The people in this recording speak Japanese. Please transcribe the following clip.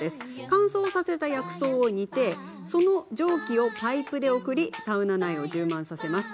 乾燥させた薬草を煮てその蒸気をパイプで送りサウナ内を充満させます。